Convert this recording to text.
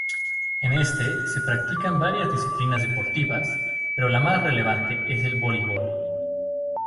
En este, se practican varias disciplinas deportivas pero la más relevante es el Voleibol.